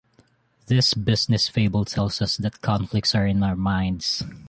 This business fable tells us that conflicts are in our minds.